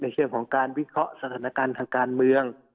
เช่นของการวิเคราะห์สถานการณ์ทางการเมือง